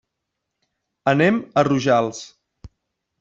Anem a Rojals.